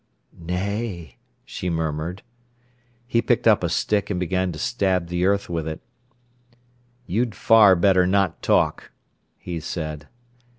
"Nay!" she murmured. He picked up a stick and began to stab the earth with it. "You'd far better not talk," he said.